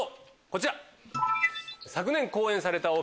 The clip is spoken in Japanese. こちら。